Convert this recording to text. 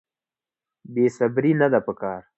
بې صبري نه ده په کار.